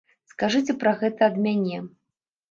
Скажыце пра гэта ад мяне.